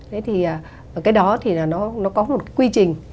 thế thì cái đó thì là nó có một quy trình